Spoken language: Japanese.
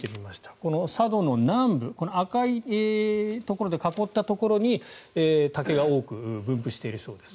この佐渡の南部赤く囲ったところに竹が多く分布しているそうです。